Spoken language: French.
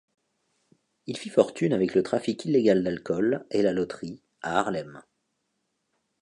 Il fit fortune avec le trafic illégal d’alcool et la loterie, à Harlem.